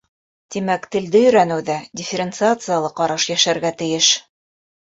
Тимәк, телде өйрәнеүҙә дифференциациялы ҡараш йәшәргә тейеш.